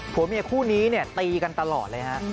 ผัวเมียคู่นี้เนี่ยตีกันตลอดเลยฮะ